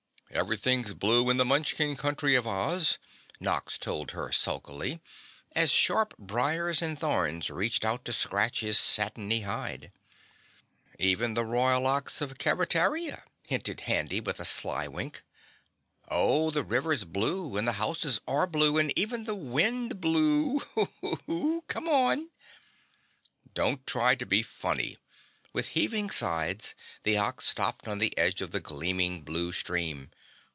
"Everything's blue in the Munchkin Country of Oz," Nox told her sulkily, as sharp briers and thorns reached out to scratch his satiny hide. "Even the Royal Ox of Keretaria," hinted Handy with a sly wink. "Oh the river's blue and the houses are blue and even the wind blew Hoo Hoo! Come on." "Don't try to be funny," with heaving sides, the Ox stopped on the edge of the gleaming blue stream.